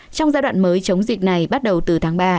trong giai đoạn mới chống dịch này bắt đầu từ tháng ba